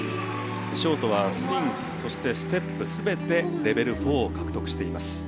ショートはスピンそして、ステップ全てレベル４を獲得しています。